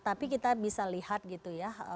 tapi kita bisa lihat gitu ya